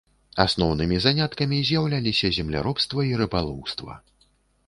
Асноўнымі заняткамі з'яўляліся земляробства і рыбалоўства.